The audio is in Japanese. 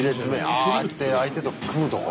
あああやって相手と組むとこ？